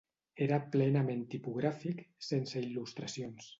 Era plenament tipogràfic, sense il·lustracions.